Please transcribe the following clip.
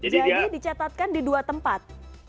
jadi dicatatkan di dua tempat